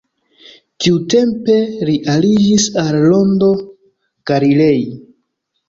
Tiutempe li aliĝis al Rondo Galilei.